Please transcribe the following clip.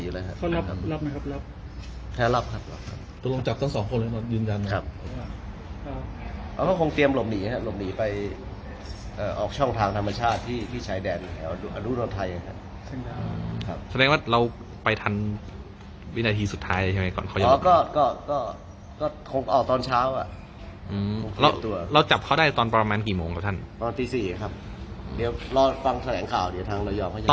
มีความรู้สึกว่ามีความรู้สึกว่ามีความรู้สึกว่ามีความรู้สึกว่ามีความรู้สึกว่ามีความรู้สึกว่ามีความรู้สึกว่ามีความรู้สึกว่ามีความรู้สึกว่ามีความรู้สึกว่ามีความรู้สึกว่ามีความรู้สึกว่ามีความรู้สึกว่ามีความรู้สึกว่ามีความรู้สึกว่ามีความรู้สึกว